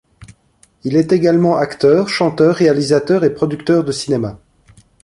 Il est également acteur, chanteur, réalisateur et producteur de cinéma.